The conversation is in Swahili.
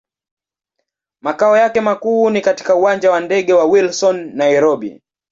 Makao yake makuu ni katika Uwanja wa ndege wa Wilson, Nairobi.